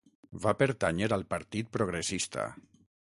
Va pertànyer al Partit Progressista.